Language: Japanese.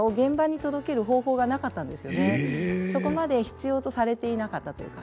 そこまで必要とされていなかったというか。